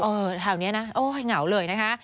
แถวนี้นะโอ้ยเหงาเลยนะคะ